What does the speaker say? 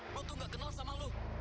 lu tuh nggak kenal sama lu